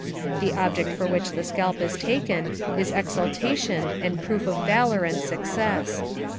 The object for which the scalp is taken is ex ultation and proof of valor and success.